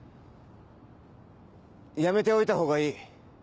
やめておいた方がいい。